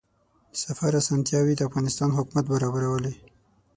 د سفر اسانتیاوې د افغانستان حکومت برابرولې.